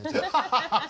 ハハハ。